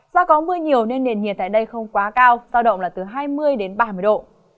do có mưa nhiều nên nền nhiệt tại đây không quá cao giao động là từ hai mươi đến ba mươi độ